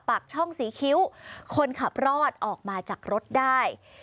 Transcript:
ปากช่องศรีคิ้วคนขับรอดออกมาจากรถได้